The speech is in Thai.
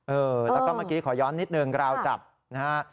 เออแล้วก็เมื่อกี้ขอย้อนนิดนึงราวจับนะฮะ